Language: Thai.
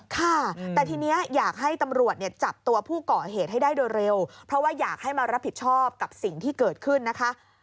ค่ะแต่ทีนี้อยากให้ตำรวจเนี่ยจับตัวผู้ก่อเหตุให้ได้โดยเร็วเพราะว่าอยากให้มารับผิดชอบกับสิ่งที่เกิดขึ้นนะคะ